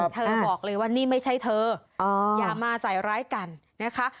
เธอบอกเลยว่านี่ไม่ใช่เธออย่ามาใส่ร้ายกันนะคะ